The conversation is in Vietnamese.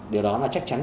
điều đó là chắc chắn